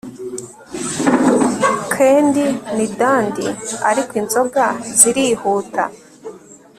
candy ni dandy, ariko inzoga zirihuta